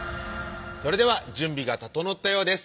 それでは準備が整ったようです